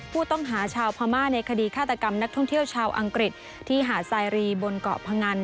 ผู้ต้องหาชาวพม่าในคดีฆาตกรรมนักท่องเที่ยวชาวอังกฤษที่หาดไซรีบนเกาะพงัน